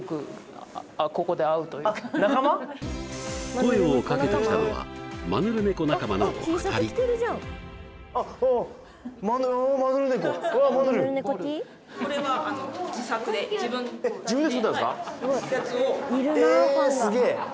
声を掛けてきたのはマヌルネコ仲間のお二人自分で作ったんですか？